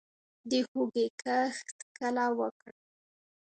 د هوږې کښت کله وکړم؟